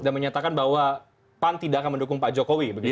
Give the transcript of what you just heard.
dan menyatakan bahwa pan tidak akan mendukung pak jokowi begitu ya